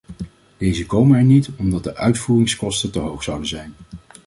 Deze komen er niet omdat de uitvoeringskosten te hoog zouden zijn.